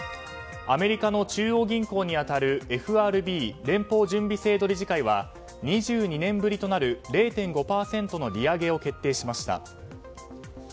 アメリカの中央銀行に当たるＦＲＢ・連邦準備制度理事会は２２年ぶりとなる０．５％の利上げを決定しました。